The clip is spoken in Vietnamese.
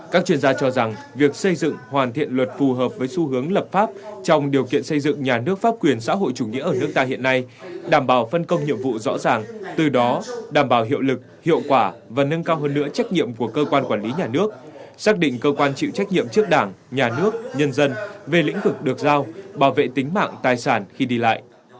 các chuyên gia cho rằng việc xây dựng hoàn thiện luật phù hợp với xu hướng lập pháp trong điều kiện xây dựng nhà nước pháp quyền xã hội chủ nghĩa ở nước ta hiện nay đảm bảo phân công nhiệm vụ rõ ràng từ đó đảm bảo hiệu lực hiệu quả và nâng cao hơn nữa trách nhiệm của cơ quan quản lý nhà nước xác định cơ quan chịu trách nhiệm trước đảng nhà nước nhân dân về lĩnh vực được giao bảo vệ tính mạng tài sản khi đi lại